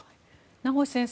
名越先生